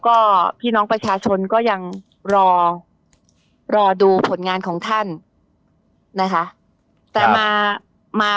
ก็พี่น้องประชาชนก็ยังรอรอดูผลงานของท่านนะคะแต่มามา